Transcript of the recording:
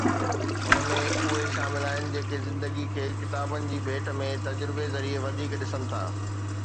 ھن ۾ اھي شامل آھن جيڪي زندگيءَ کي ڪتابن جي ڀيٽ ۾ تجربي ذريعي وڌيڪ ڏسن ٿا.